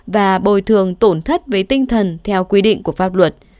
và bồi thường tổn thất với tinh thần theo quy định của pháp luật